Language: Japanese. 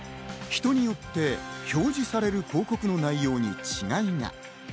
人によって表示される広告の内容に違いが。